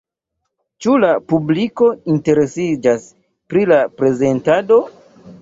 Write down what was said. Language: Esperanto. Ĉu la publiko interesiĝas pri la prezentado?